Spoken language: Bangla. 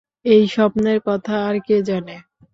এই স্বপ্নের কথা আর কে জানে?